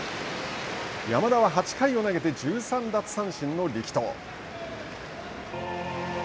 山田は８回を投げて１３奪三振の力投。